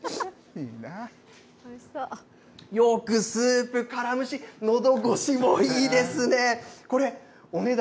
よくスープからむし、のどごしもいいですね。